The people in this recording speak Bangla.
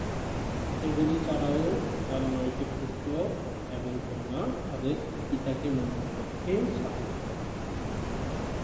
এগুলি ছাড়াও তাঁর নয়টি পুত্র এবং কন্যা তাদের পিতাকে মন্দ পথে সাহায্য করে।